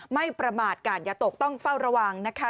ไม่ประมาทกาดอย่าตกต้องเฝ้าระวังนะคะ